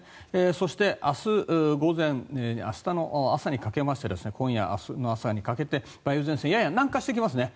そして、明日の朝にかけまして今夜から明日の朝にかけて梅雨前線やや南下してきますね。